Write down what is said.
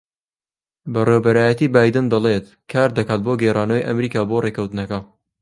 بەڕێوەبەرایەتیی بایدن دەڵێت کار دەکات بۆ گێڕانەوەی ئەمریکا بۆ ڕێککەوتنەکە